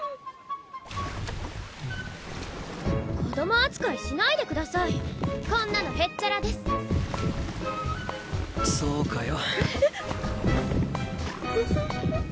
子供扱いしないでくださいこんなのへっちゃらですそうかよ